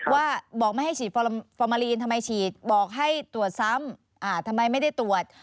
ว่าบอกไม่ให้ฉีดฟอร์มาลีนทำไมฉีดบอกให้ตรวจซ้ำทำไมไม่ได้ตรวจ